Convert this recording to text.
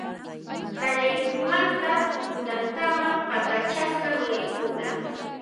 Qallaykuymanta tukunankama patachasqa ruraykuna